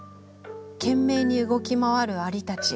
懸命に動き回る蟻たち。